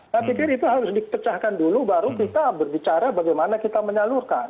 saya pikir itu harus dipecahkan dulu baru kita berbicara bagaimana kita menyalurkan